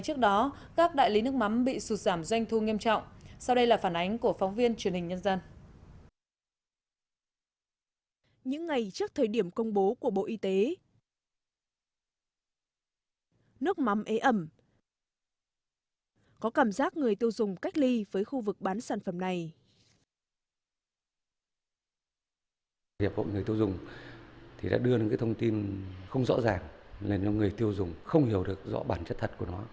thì đã đưa được thông tin không rõ ràng lên cho người tiêu dùng không hiểu được rõ bản chất thật của nó